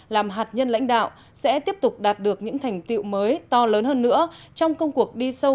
làm hạt nhân lãnh đạo sẽ tiếp tục đạt được những thành tiệu mới to lớn hơn nữa trong công cuộc đi sâu